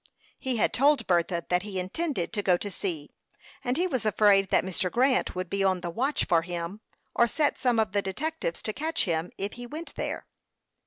He had told Bertha that he intended to go to sea; and he was afraid that Mr. Grant would be on the watch for him, or set some of these detectives to catch him, if he went there.